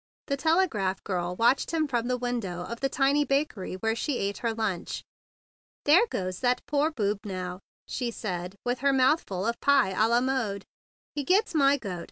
The telegraph girl watched him from the window of the tiny bakery where she ate her lunch. "There goes that poor boob now!" she said with her mouthful of pie a la mode. "He gets my goat!